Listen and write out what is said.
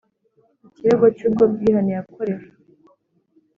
ikirego cy ubwo bwihane yakorewe